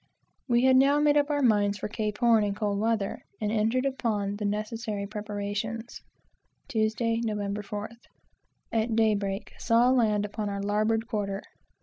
We had now made up our minds for Cape Horn and cold weather, and entered upon every necessary preparation. Tuesday, Nov. 4th. At day break, saw land upon our larboard quarter.